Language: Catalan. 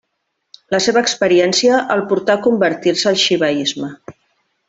La seva experiència el portà a convertir-se al xivaisme.